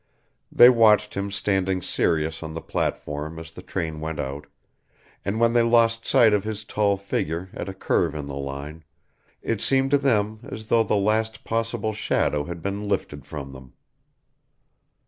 They watched him standing serious on the platform as the train went out, and when they lost sight of his tall figure at a curve in the line, it seemed to them as though the last possible shadow had been lifted from them.